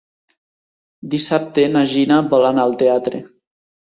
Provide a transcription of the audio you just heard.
Dissabte na Gina vol anar al teatre.